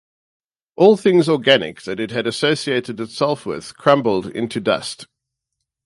All things organic that it had associated itself with crumpled into dust.